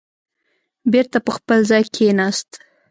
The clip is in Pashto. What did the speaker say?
بېرته په خپل ځای کېناست.